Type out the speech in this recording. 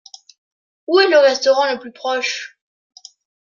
Où est le restaurant le plus proche ?